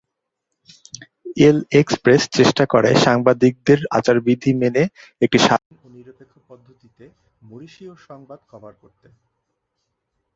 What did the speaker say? L'Express" চেষ্টা করে সাংবাদিকদের আচার বিধি মেনে, একটি স্বাধীন ও নিরপেক্ষ পদ্ধতিতে মরিশীয় সংবাদ কভার করতে।